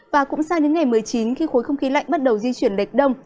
và cũng sang đến ngày một mươi chín khi khối không khí lạnh bắt đầu di chuyển lệch đông